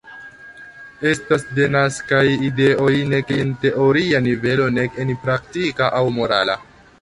Estas denaskaj ideoj nek en teoria nivelo nek en praktika aŭ morala.